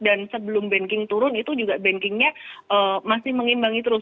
dan sebelum banking turun itu juga bankingnya masih mengimbangi terus